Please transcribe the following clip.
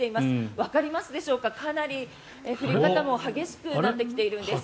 わかりますでしょうかかなり降り方も激しくなってきているんです。